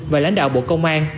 và lãnh đạo bộ công an